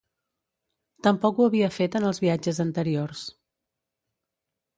Tampoc ho havia fet en els viatges anteriors.